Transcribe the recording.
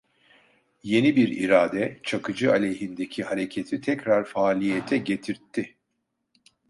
Yeni bir irade, Çakıcı aleyhindeki hareketi tekrar faaliyete getirtti.